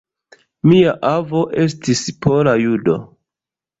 Mia avo estis pola judo.